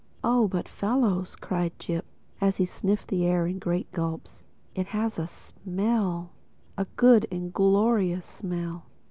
"Oh, but fellows," cried Jip, as he sniffed up the air in great gulps, "it has a smell—a good and glorious smell!